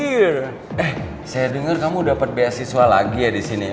eh saya denger kamu dapet beasiswa lagi ya disini